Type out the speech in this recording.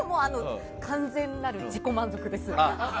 完全なる自己満足です。